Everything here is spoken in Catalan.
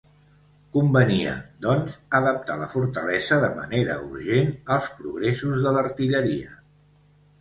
Convenia, doncs, adaptar la fortalesa de manera urgent als progressos de l'artilleria.